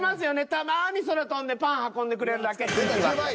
たまに空飛んでパン運んでくれるだけ。出た１０倍。